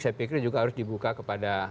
saya pikir juga harus dibuka kepada